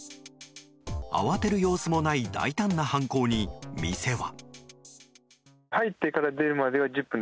慌てる様子もない大胆な犯行に店は。